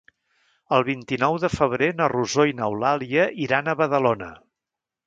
El vint-i-nou de febrer na Rosó i n'Eulàlia iran a Badalona.